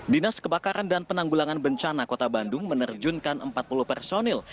dinas kebakaran dan penanggulangan bencana kota bandung menerjunkan empat puluh personil